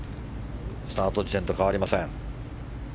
スタート地点と変わりません。